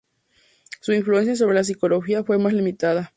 Su influencia sobre la psicología fue más limitada.